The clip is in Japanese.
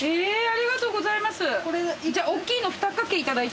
ありがとうございます。